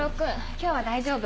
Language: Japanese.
今日は大丈夫。